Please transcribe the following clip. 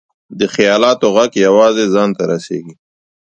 د خیالاتو ږغ یوازې ځان ته رسېږي.